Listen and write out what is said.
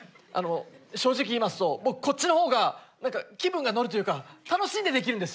正直言いますと僕こっちの方が何か気分が乗るというか楽しんでできるんです。